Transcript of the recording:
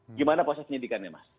bagaimana proses penyelidikan ini mas